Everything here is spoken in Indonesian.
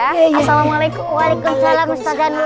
assalamualaikum waalaikumsalam ustazah nur